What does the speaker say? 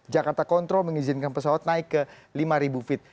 jakarta control mengizinkan pesawat naik ke lima feet